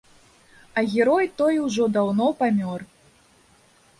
А герой той ужо даўно памёр.